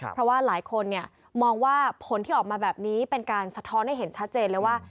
เพราะว่าหลายคนมองว่าผลที่ออกมาแบบนี้เป็นการสะท้อนให้เห็นชัดเจนเลยว่า